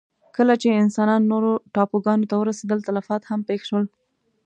کله چې انسانان نورو ټاپوګانو ته ورسېدل، تلفات هم پېښ شول.